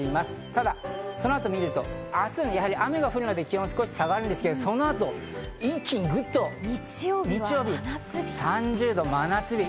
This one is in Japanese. ただそのあと見ると明日、雨が降るので、気温が少し下がるんですが、そのあと一気にぐっと日曜日３０度、真夏日。